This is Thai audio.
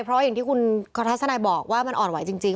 เพราะอย่างที่คุณทัศนายบอกว่ามันอ่อนไหวจริง